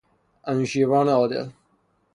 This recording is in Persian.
انوشیروان عادل